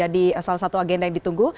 di salah satu agenda yang ditunggu